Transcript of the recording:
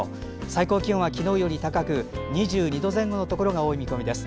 最高気温は昨日より高く２２度前後のところが多い見込みです。